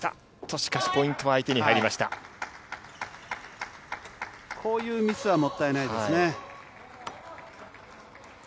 しかしポイントは相手に入りましこういうミスはもったいないですね。